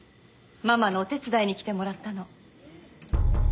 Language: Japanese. ママのお手伝いに来てもらったの。